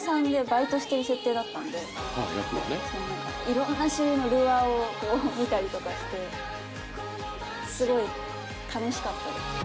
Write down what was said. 色んな種類のルアーを見たりとかしてすごい楽しかったです。